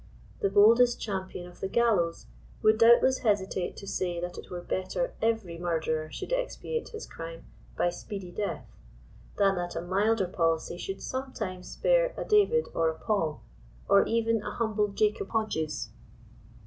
The boldest champion of the gallows would doubtless hesitate to say that it were better every murderer should expiate his crime by speedy death, than that a milder policy should some times spare a David or a Paul, or even anhumble Jacob Hodges.